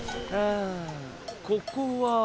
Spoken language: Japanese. あここは？